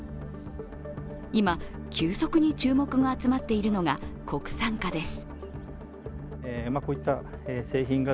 今、急速に注目が集まっているのが国産化です。